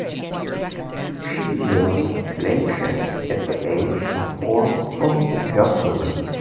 She learned playing chess at the age of four from her parents.